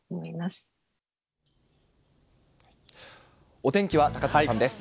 お天気は高塚さんです。